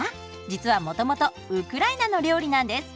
実はもともとウクライナの料理なんです。